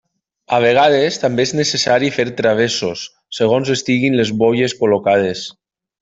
A vegades també és necessari fer travessos, segons estiguin les bolles col·locades.